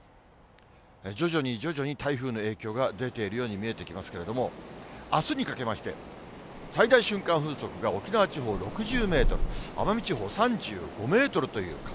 徐々に徐々に台風の影響が出ているように見えてますけれども、あすにかけまして、最大瞬間風速が沖縄地方６０メートル、奄美地方３５メートルという風。